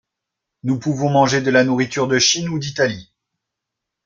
Nous pouvons manger de la nourriture de Chine ou d’Italie.